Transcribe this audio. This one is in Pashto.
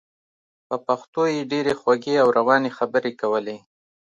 په پښتو یې ډېرې خوږې او روانې خبرې کولې.